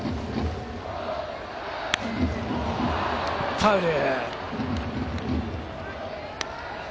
ファウル。